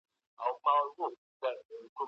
کېدای سي. له ډېر پخوا راهیسي، د سیمي عالمانو د